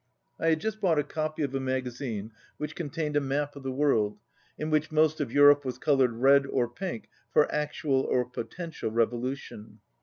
I had just bought a copy of a magazine which 80 contained a map of the world, in which most of Europe was coloured red or pink for actual or po tential revolution.